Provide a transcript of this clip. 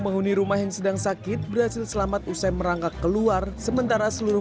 menghuni rumah yang sedang sakit berhasil selamat usai merangkak keluar sementara seluruh